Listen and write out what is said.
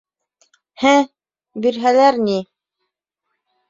— Һе, бирһәләр ни.